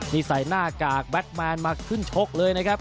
นี่ใส่หน้ากากแบทแมนมาขึ้นชกเลยนะครับ